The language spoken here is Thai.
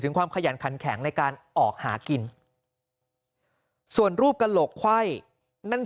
ความขยันขันแข็งในการออกหากินส่วนรูปกระโหลกไขว้นั่น